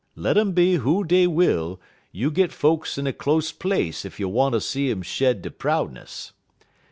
Let um be who dey will, you git folks in a close place ef you wanter see um shed der proudness.